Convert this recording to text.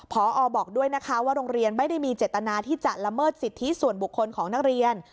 พอบอกด้วยนะคะว่าโรงเรียนไม่ได้มีเจตนาที่จะละเมิดสิทธิส่วนบุคคลของนักเรียน